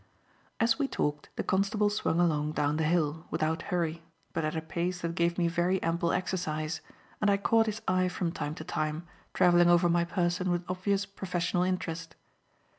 As we talked, the constable swung along down the hill, without hurry, but at a pace that gave me very ample exercise, and I caught his eye from time to time, travelling over my person with obvious professional interest.